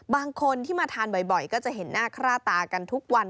บางคนที่มาทานบ่อยก็จะเห็นหน้าค่าตากันทุกวัน